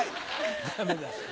ダメだ。